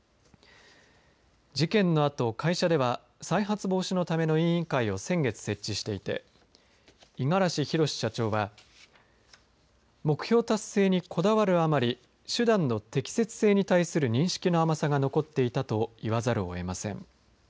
事件のあと、会社では再発防止のための委員会を先月設置していて五十嵐博社長は目標達成にこだわるあまり手段の適切性に対する認識の甘さが残っていたと言わざるをえません。